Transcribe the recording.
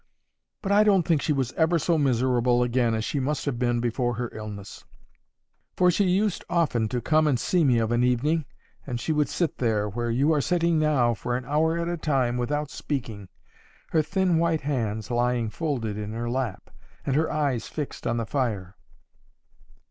But I don't think she was ever so miserable again as she must have been before her illness; for she used often to come and see me of an evening, and she would sit there where you are sitting now for an hour at a time, without speaking, her thin white hands lying folded in her lap, and her eyes fixed on the fire.